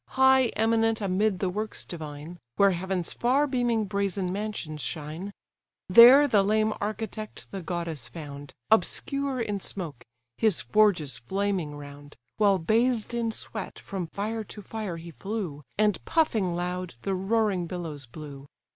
High eminent amid the works divine, Where heaven's far beaming brazen mansions shine. There the lame architect the goddess found, Obscure in smoke, his forges flaming round, While bathed in sweat from fire to fire he flew; And puffing loud, the roaring billows blew.